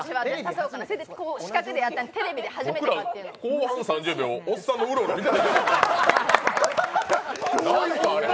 後半の３０秒、おっさんのうろうろ見てた。